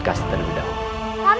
kusiratu sudah cukup